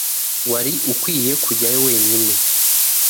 Wari ukwiye kujyayo wenyine.